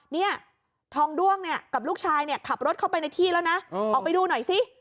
เนี่ยทองด้วงเนี่ยกับลูกชายเนี่ยขับรถเข้าไปในที่แล้วนะออกไปดูหน่อยซิ